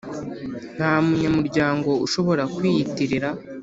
Nta munyamuryango ushobora kwiyitirira